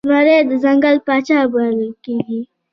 زمری د ځنګل پاچا بلل کیږي